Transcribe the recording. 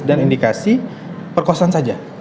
dan indikasi perkosaan saja